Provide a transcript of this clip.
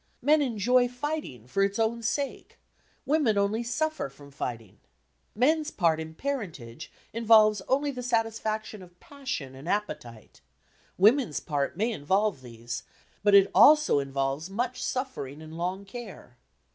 Men enjoy fighting for its own sake, women only suffer from fighting. Men's part in parentage involves only the satisfaction of passion and appetite; women's part may involve these, but it also involves much suffering and long care.